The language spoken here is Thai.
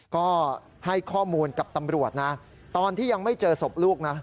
ก็ให้ข้อมูลกับตำรวจนะตอนที่ยังไม่เจอศพลูกนะ